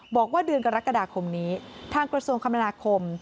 บอกว่าเดือนกรกฎาคมนี้ทางกระทรวงคมนาคม